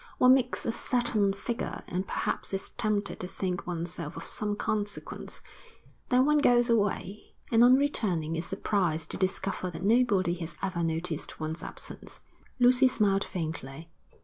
One makes a certain figure, and perhaps is tempted to think oneself of some consequence. Then one goes away, and on returning is surprised to discover that nobody has ever noticed one's absence.' Lucy smiled faintly.